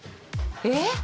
えっ！？